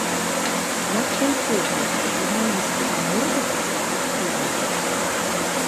На твой погляд, журналістыка можа быць аб'ектыўнай?